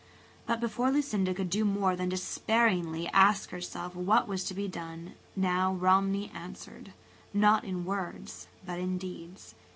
But before Lucinda could do more than despairingly ask herself what was to be done now Romney answered–not in words, but in deeds.